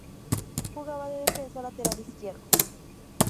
Jugaba de defensa lateral izquierdo.